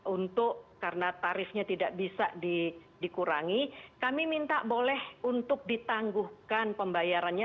untuk karena tarifnya tidak bisa dikurangi kami minta boleh untuk ditangguhkan pembayarannya